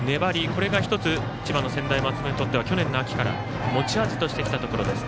これが１つ千葉の専大松戸は去年の秋から持ち味としてきたところです。